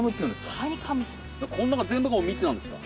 この中全部が蜜なんですか？